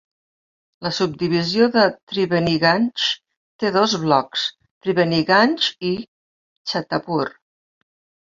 La subdivisió de Triveniganj té dos blocs, Triveniganj i Chhatapur.